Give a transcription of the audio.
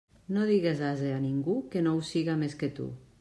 No digues ase a ningú que no ho siga més que tu.